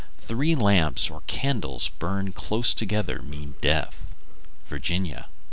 Three lamps or candles burned close together mean death. _Virginia.